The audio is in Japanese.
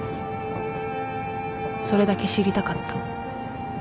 それだけ知りたかった